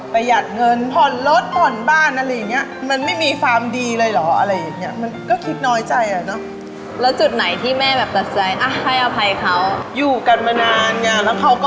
ประหยัดเงินผ่อนรถผ่อนบ้านอะไรแบบนี้มันไม่มีความดีเลยหรอก